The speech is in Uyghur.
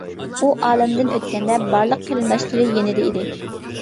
ئۇ ئالەمدىن ئۆتكەندە بارلىق قېرىنداشلىرى يېنىدا ئىدى.